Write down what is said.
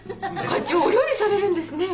課長お料理されるんですね。